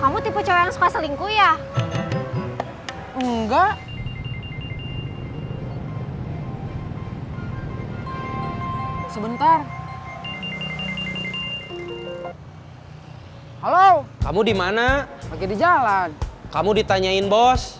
kamu tipe cowok yang suka selingkuh ya enggak sebentar halo kamu dimana pakai di jalan kamu ditanyain bos